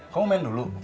kamu main dulu